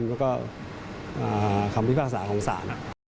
แล้วก็คำพิพากษาของศาล